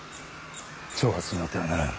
挑発に乗ってはならん。